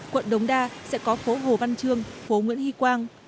quận đống đa sẽ có phố hồ văn trương phố nguyễn hy quang